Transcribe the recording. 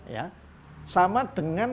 ya sama dengan